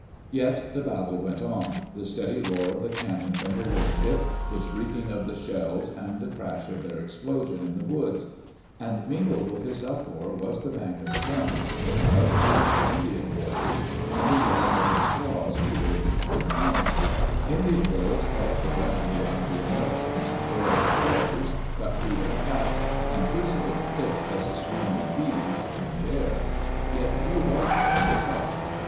Yet the battle went on — the steady roar of the cannon from the warship, the shrieking of the shells, and the crash of their explosion in the woods. And mingled with this uproar was the bang of the guns, the wild whoops of Indian warriors, and the yelling of the squaws who urged them on. Digitized by CjOOQ IC EARLY DAYS IN OLD OREGON Indian bullets cut up the ground around die Americans, tore their clothes, cut through their hats, and whistled, Aick as a swarm of bees, in the air; yet few white men were touched.